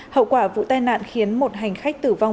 hậu quả vụ tai nạn khiến một hành khách tử vong